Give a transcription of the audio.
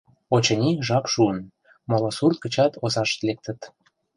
Очыни, жап шуын: моло сурт гычат озашт лектыт.